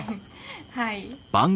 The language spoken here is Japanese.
はい。